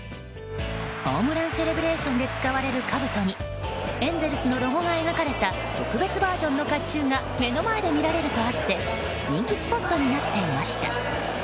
ホームランセレブレーションで使われるかぶとにエンゼルスのロゴが描かれた特別バージョンの甲冑が目の前で見られるとあって人気スポットになっていました。